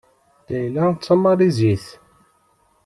Layla d Tamalizit.